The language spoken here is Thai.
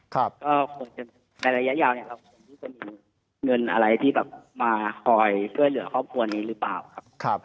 ก็ในระยะยาวมีเงินอะไรที่มาคอยเพื่อนเหลือครอบครัวนี้หรือเปล่าครับ